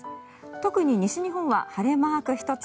特に西日本は晴れマーク１つ。